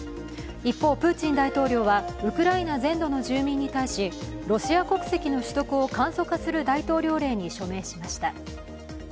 一方、プーチン大統領は、ウクライナ全土の住民に対しロシア国籍の取得を簡素化する大統領令に署名しました。